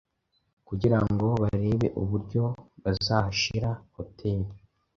kugira ngo barebe uburyo bazahashira hoteli.